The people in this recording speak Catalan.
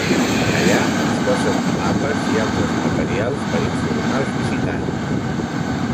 Allà disposen de mapes i altres materials per informar els visitants.